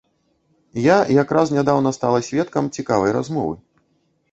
Я як раз нядаўна стала сведкам цікавай размовы.